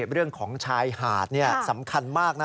เรื่องของชายหาดสำคัญมากนะ